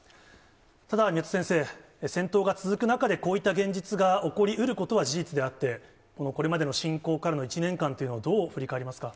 ただ、宮田先生、戦闘が続く中で、こういった現実が起こりうることは事実であって、これまでの侵攻からの１年間というのは、どう振り返りますか。